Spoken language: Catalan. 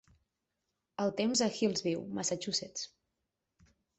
el temps a Hillsview, Massachusetts